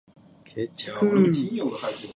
決着ゥゥゥゥゥ！